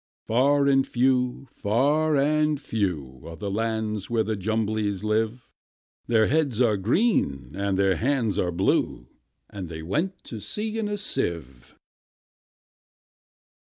Far and few, far and few, Are the lands where the Jumblies live: Their heads are green, and their hands are blue; And they went to sea in a sieve.